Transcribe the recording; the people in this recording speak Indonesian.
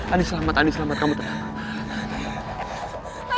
andi selamat andi selamat kamu terlalu lama